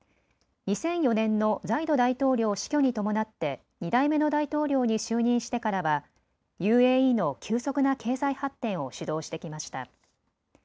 ２００４年のザイド大統領死去に伴って２代目の大統領に就任してからはＵＡＥの急速な経済発展を主導してきました。